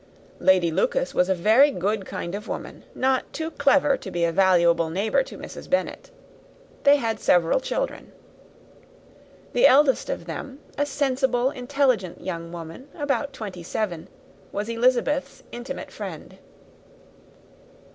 Lady Lucas was a very good kind of woman, not too clever to be a valuable neighbour to Mrs. Bennet. They had several children. The eldest of them, a sensible, intelligent young woman, about twenty seven, was Elizabeth's intimate friend.